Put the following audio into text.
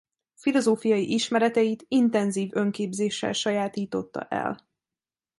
Filozófiai ismereteit intenzív önképzéssel sajátította el.